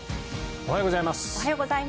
おはようございます。